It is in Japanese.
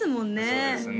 そうですね